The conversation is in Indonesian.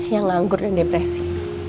yang langgur dan depresi